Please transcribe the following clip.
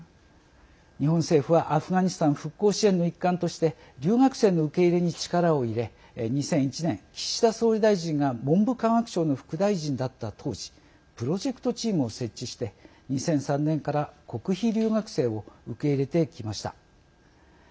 日本政府はアフガニスタン復興支援の一環として留学生の受け入れに力を入れ２００１年、岸田総理大臣が文部科学省の副大臣だった当時プロジェクトチームを設置して２００３年から国費留学生を受け入れてきました。